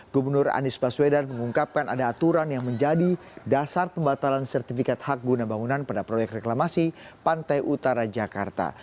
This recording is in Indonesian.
gubernur anies baswedan mengungkapkan ada aturan yang menjadi dasar pembatalan sertifikat hak guna bangunan pada proyek reklamasi pantai utara jakarta